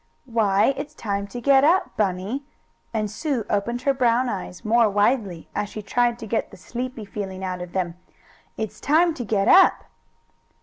"Why, it's time to get up, Bunny," and Sue opened her brown eyes more widely, as she tried to get the "sleepy feeling" out of them. "It's time to get up!"